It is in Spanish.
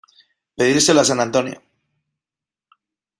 Pedírselo a san antonio.